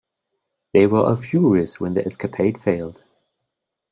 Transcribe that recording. They were all furious when the escapade failed.